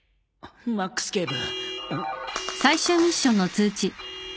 マックス警部。